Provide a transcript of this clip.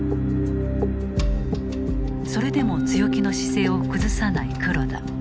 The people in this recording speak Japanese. それでも強気の姿勢を崩さない黒田。